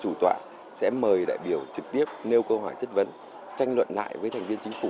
chủ tọa sẽ mời đại biểu trực tiếp nêu câu hỏi chất vấn tranh luận lại với thành viên chính phủ